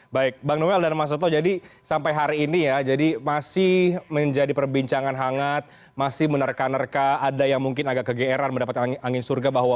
baik bang noel dan mas toto jadi sampai hari ini ya jadi masih menjadi perbincangan hangat masih menerka nerka ada yang mungkin agak kegeeran mendapatkan angin surga bahwa